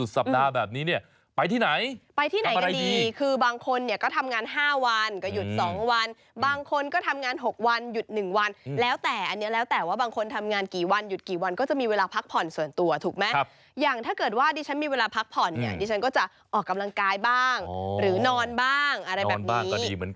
ตลอดตลอดตลอดตลอดตลอดตลอดตลอดตลอดตลอดตลอดตลอดตลอดตลอดตลอดตลอด